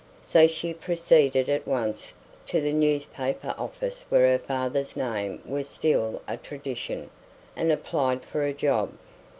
So she proceeded at once to the newspaper office where her father's name was still a tradition, and applied for a job.